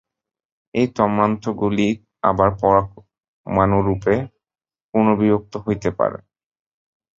এই তন্মাত্রগুলি আবার পরমাণুরূপে পুনর্বিভক্ত হইতে পারে।